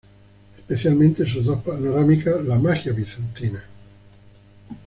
Especialmente sus dos panorámicas: “La magia bizantina.